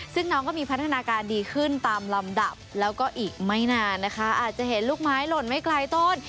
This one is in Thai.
ซึ่งน้องก็มีพัฒนาการดีขึ้นตามลำดับแล้วก็อีกไม่นานนะคะอาจจะเห็นลูกไม้หล่นไม่ไกลต้น